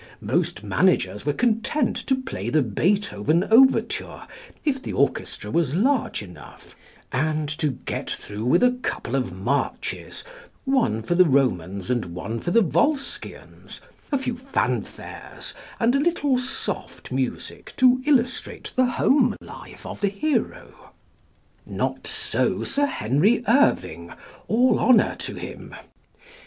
Most managers were content to play the Beethoven overture if the orchestra was large enough, and to get through with a couple of marches one for the Romans and one for the Volscians, a few fanfares, and a little soft music to illustrate the "home life" of the hero. Not so Sir Henry Irving, all honour to him.